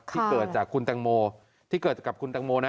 ที่เกิดจากคุณแตงโมที่เกิดจากคุณแตงโมนะ